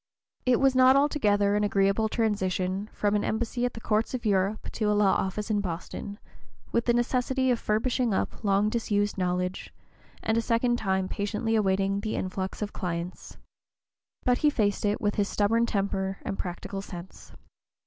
It was not altogether an agreeable transition from an embassy at the courts of Europe to a law office in Boston, with the necessity of furbishing up long disused knowledge, and a second time patiently awaiting the influx of clients. But he faced it with his stubborn temper and practical sense.